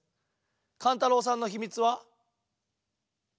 かんたろうさんのひみつは？